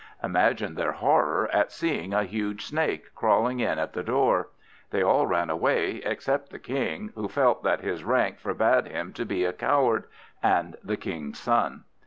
Imagine their horror at seeing a huge Snake crawling in at the door. They all ran away except the King, who felt that his rank forbade him to be a coward, and the King's son.